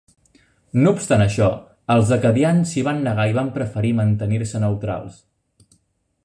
No obstant això, els acadians s'hi van negar i van preferir mantenir-se neutrals.